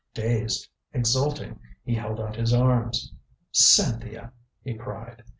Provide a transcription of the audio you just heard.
Dazed, exulting, he held out his arms. "Cynthia!" he cried.